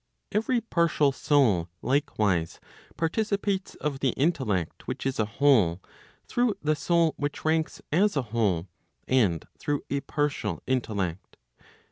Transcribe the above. Every partial soul, likewise, participates of the intellect which is a whole, through the soul which ranks as a whole, and through a partial intellect.